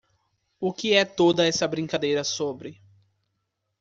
O que é toda essa brincadeira sobre?